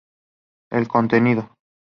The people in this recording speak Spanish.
El contenido.